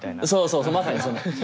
そうそうまさに。